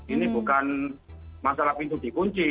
ini bukan masalah pintu dikunci